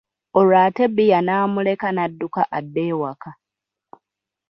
Olwo ate bbiya n'amuleka n'adduka adde ewaka.